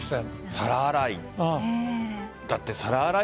皿洗い。